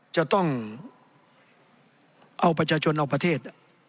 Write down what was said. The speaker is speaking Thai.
จะต้องเอาประชาชนเอาประเทศ